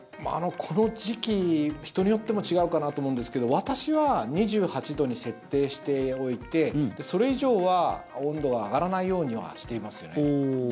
この時期、人によっても違うかなと思うんですけど私は２８度に設置しておいてそれ以上は温度は上がらないようにはしていますよね。